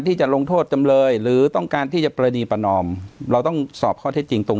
ที่จะลงโทษจำเลยหรือต้องการที่จะปรณีประนอมเราต้องสอบข้อเท็จจริงตรง